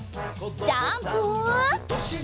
ジャンプ！